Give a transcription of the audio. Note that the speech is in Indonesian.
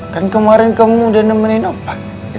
kan kemarin kamu udah nemenin apa